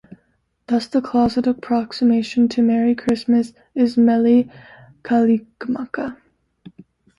Thus the closest approximation to "Merry Christmas" is "Mele Kalikimaka".